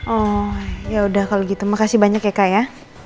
oh yaudah kalau gitu makasih banyak ya kak ya